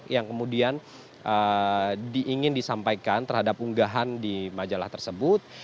yang kemudian diingin disampaikan terhadap unggahan di majalah tersebut